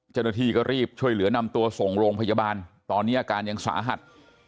เจ้าหน้าที่ก็รีบช่วยเหลือนำตัวส่งโรงพยาบาลตอนนี้อาการยังสาหัส